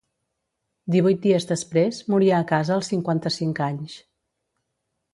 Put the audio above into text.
Divuit dies després moria a casa als cinquanta-cinc anys.